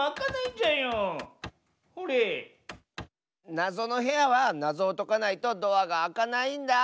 なぞのへやはなぞをとかないとドアがあかないんだあ。